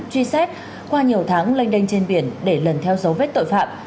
truy xét qua nhiều tháng lênh đênh trên biển để lần theo dấu vết tội phạm